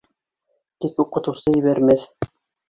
Тик уҡытыусы ебәрмәҫ.